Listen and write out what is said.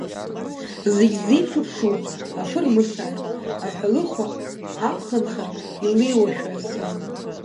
Зегьы ззеиԥшу ԥшуп, афы рмысааит, аҳәалыхәа, аԥхынха, илеиуашәа асы.